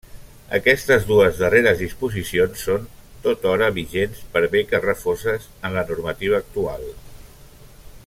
Aquestes dues darreres disposicions són tothora vigents, per bé que refoses en la normativa actual.